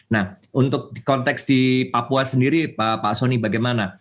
nah untuk konteks di papua sendiri pak soni bagaimana